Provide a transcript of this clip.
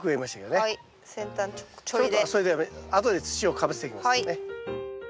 それであとで土をかぶせていきますからね。